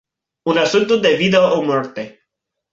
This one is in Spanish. un asunto de vida o muerte